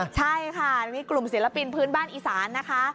ใช่ค่ะนี่กลุ่มศิลปินพื้นบ้านอีสานนะคะ